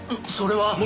それは。